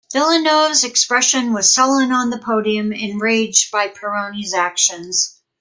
Villeneuve's expression was sullen on the podium, enraged by Pironi's actions.